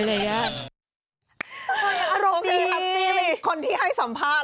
โอเคครับปีเป็นคนที่ให้สัมภาษณ์